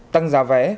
tăng giá vé